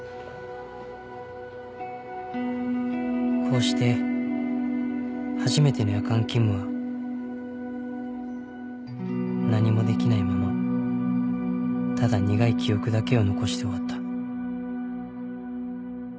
［こうして初めての夜間勤務は何もできないままただ苦い記憶だけを残して終わった］